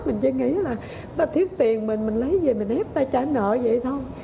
mình chỉ nghĩ là ta thiếu tiền mình mình lấy về mình ép tay trả nợ vậy thôi